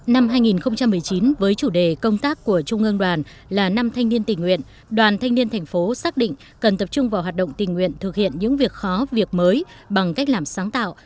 năm hai nghìn một mươi chín với chủ đề công tác của trung ương đoàn là năm thanh niên tình nguyện đoàn thanh niên thành phố xác định cần tập trung vào hoạt động tình nguyện thực hiện những việc khó việc mới bằng cách làm sáng tạo